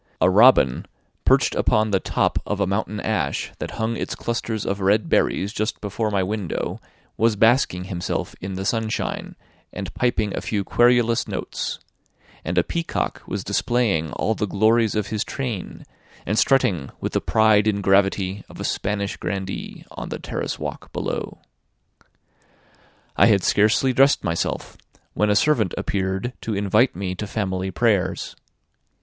A robin, perched upon the top of a mountain ash that hung its clusters of red berries just before my window, was basking himself in the sunshine, and piping a few querulous notes; and a peacock was displaying all the glories of his train, and strutting with the pride and gravity of a Spanish grandee on the terrace walk below. I had scarcely dressed myself, when a servant appeared to invite me to family prayers.